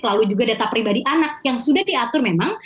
lalu juga data pribadi anak yang sudah diatur memang